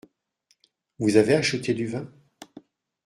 Vous avez acheté du vin ?